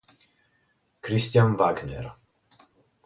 Christian Wagner